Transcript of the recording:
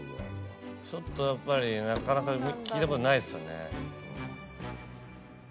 ちょっとやっぱりなかなか聞いたことないですよね。